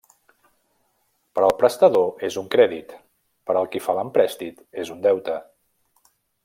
Per al prestador és un crèdit, per al qui fa l'emprèstit és un deute.